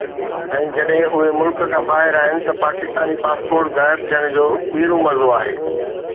۽ جڏهن اهي ملڪ کان ٻاهر آهن ته پاڪستاني پاسپورٽ غائب ٿيڻ جو ٻيڻو مزو آهي